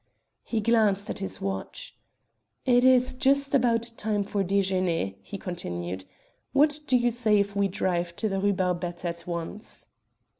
He glanced at his watch. "It is just about time for déjeûner," he continued. "What do you say if we drive to the Rue Barbette at once?"